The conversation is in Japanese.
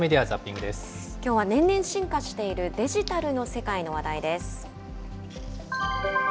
きょうは年々進化しているデジタルの世界の話題です。